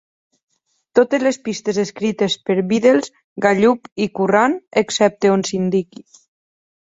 Totes les pistes escrites per Biddles, Gallup i Curran, excepte on s'indiqui.